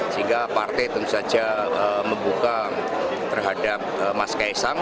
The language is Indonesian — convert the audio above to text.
sehingga partai tentu saja membuka terhadap mas kaisang